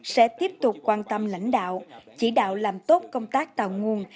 sẽ tiếp tục quan tâm lãnh đạo chỉ đạo làm tốt công tác tạo nguồn